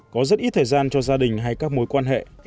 có rất ít thời gian cho gia đình hay các mối quan hệ